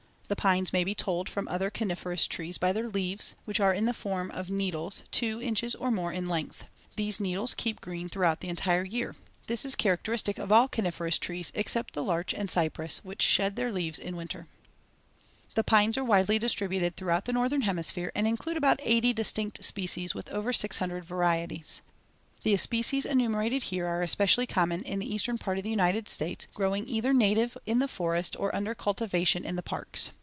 The pines may be told from the other coniferous trees by their leaves, which are in the form of needles two inches or more in length. These needles keep green throughout the entire year. This is characteristic of all coniferous trees, except the larch and cypress, which shed their leaves in winter. [Illustration: FIG. 2. Twig of the White Pine.] The pines are widely distributed throughout the Northern Hemisphere, and include about 80 distinct species with over 600 varieties. The species enumerated here are especially common in the eastern part of the United states, growing either native in the forest or under cultivation in the parks.